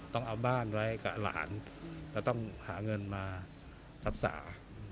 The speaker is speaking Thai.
ต้องเอาบ้านไว้กับหลานแล้วต้องหาเงินมารักษา